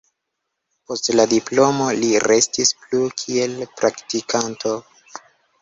Post la diplomo li restis plu kiel praktikanto.